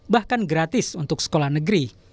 bahkan gratis untuk sekolah negeri